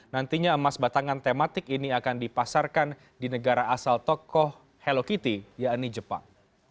nantinya emas batangan tematik ini akan dipasarkan di negara asal tokoh hello kitty yakni jepang